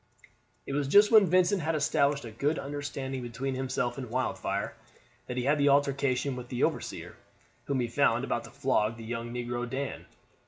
It was just when Vincent had established a good under standing between himself and Wildfire that he had the altercation with the overseer, whom he found about to flog the young negro Dan.